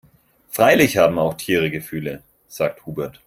"Freilich haben auch Tiere Gefühle", sagt Hubert.